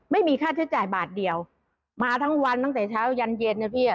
ไม่มีค่าใช้จ่ายบาทเดียวมาทั้งวันตั้งแต่เช้ายันเย็นนะพี่